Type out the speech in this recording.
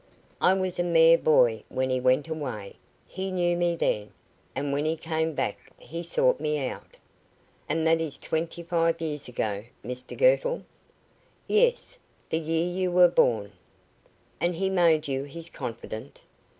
I was a mere boy when he went away. He knew me then, and when he came back he sought me out." "And that is twenty five years ago, Mr Girtle?" "Yes. The year you were born." "And he made you his confidant?"